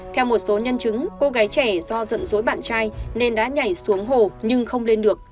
theo một số nhân chứng cô gái trẻ do dẫn dối bạn trai nên đã nhảy xuống hồ nhưng không lên được